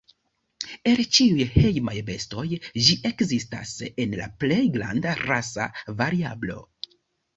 El ĉiuj hejmaj bestoj ĝi ekzistas en la plej granda rasa variablo.